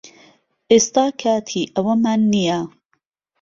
ئێستا کاتی ئەوەمان نییە